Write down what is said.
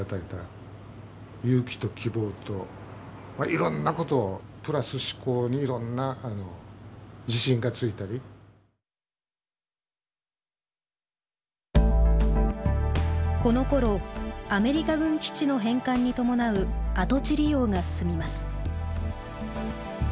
いろんなことをこのころアメリカ軍基地の返還に伴う跡地利用が進みます。